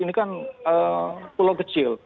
dia bilang pulau kecil